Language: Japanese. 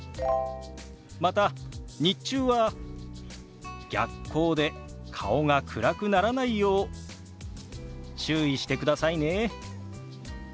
また日中は逆光で顔が暗くならないよう注意してくださいね。